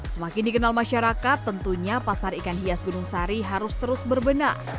semakin dikenal masyarakat tentunya pasar ikan hias gunung sari harus terus berbenah